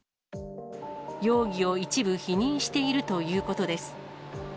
容疑を一部否認しているということです。